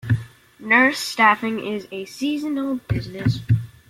Nurse staffing is a seasonal business.